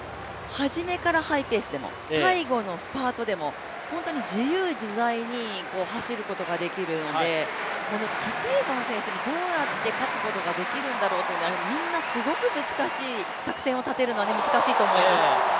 初めからハイペースでも最後のスパートでも本当に自由自在に走ることができるのでキピエゴン選手にどうやって勝つことができるんだろうってみんなすごく作戦を立てるのは難しいと思いますね。